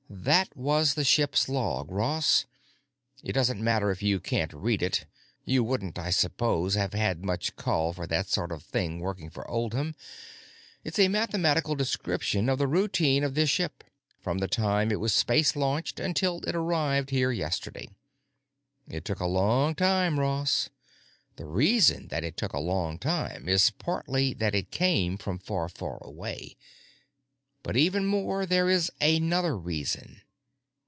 "That was the ship's log, Ross. It doesn't matter if you can't read it; you wouldn't, I suppose, have had much call for that sort of thing working for Oldham. It is a mathematical description of the routing of this ship, from the time it was space launched until it arrived here yesterday. It took a long time, Ross. The reason that it took a long time is partly that it came from far away. But, even more, there is another reason.